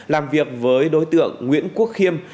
làm việc với đối tượng nguyễn quốc khiêm